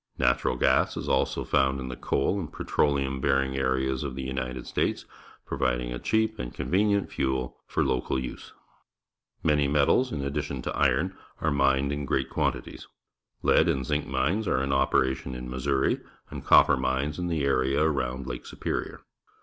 Natural gas is also found in the coal and petroleum bearing areas of the United States, providing a cheap and convenient fuel iov local use. Many metals, in addition to iron, are mined in great quantities. Lead and ^i«e^Hines are in operation in Missouri, and copper mines in the area around Lake Superior.